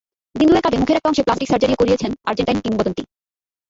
দিন দুয়েক আগে মুখের একটা অংশে প্লাস্টিক সার্জারি করিয়েছেন আর্জেন্টাইন কিংবদন্তি।